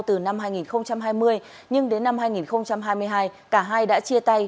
từ năm hai nghìn hai mươi nhưng đến năm hai nghìn hai mươi hai cả hai đã chia tay